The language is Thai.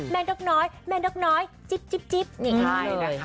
แม่นกน้อยแม่นกน้อยจิ๊ป